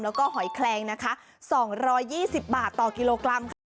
แล้วก็หอยแคลงนะคะ๒๒๐บาทต่อกิโลกรัมค่ะ